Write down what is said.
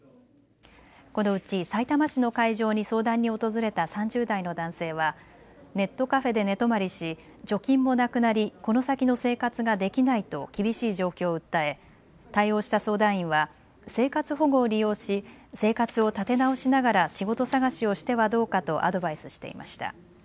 このうち、さいたま市の会場に相談に訪れた３０代の男性はネットカフェで寝泊まりし貯金もなくなり、この先の生活ができないと厳しい状況を訴え対応した相談員は生活保護を利用し生活を立て直しながら仕事探しをしてはどうかとアドバイスしていました。